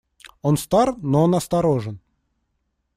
Он стар, но он осторожен.